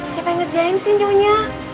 siapa yang ngerjain sih nyonya